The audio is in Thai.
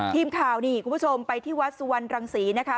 ทีมข่าวนี่คุณผู้ชมไปที่วัดสุวรรณรังศรีนะคะ